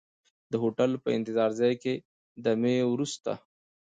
د هوټل په انتظار ځای کې دمې وروسته.